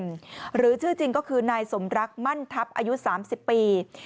หรือชื่อจริงก็คือนายสมรักมั่นทัพอายุ๓๐ปี